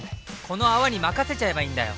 この泡に任せちゃえばいいんだよ！